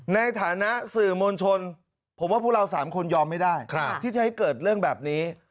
ในฐานะสื่อมวลชนผมว่าพวกเรา๓คนยอมไม่ได้ที่จะให้เกิดเรื่องแบบนี้